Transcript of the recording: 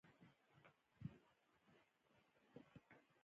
له کرنیز انقلاب وروسته بشري تاریخ په پوښتنه خلاصه کېږي.